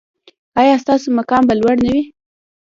ایا ستاسو مقام به لوړ نه وي؟